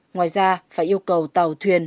ngoài ra phải yêu cầu tàu thuyền